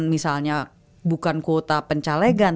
misalnya bukan kuota pencalegan